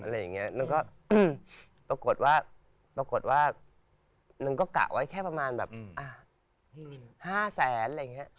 แล้วปรากฏว่านังก็กะไว้แค่ประมาณแบบ๕แสน